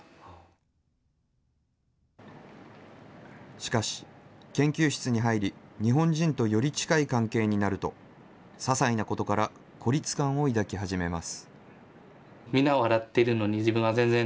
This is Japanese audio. しかし、研究室に入り日本人とより近い関係になると、ささいなことから孤立感を抱き始めます。